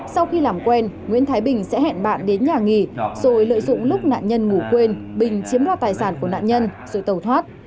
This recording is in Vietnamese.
sau khi làm quen nguyễn thái bình sẽ hẹn bạn đến nhà nghỉ rồi lợi dụng lúc nạn nhân ngủ quên bình chiếm đoạt tài sản của nạn nhân rồi tàu thoát